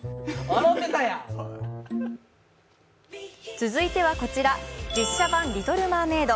続いてはこちら、実写版「リトル・マーメイド」。